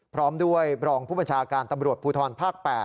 พร้อมด้วยรองผู้บัญชาการตำรวจภูทรภาค๘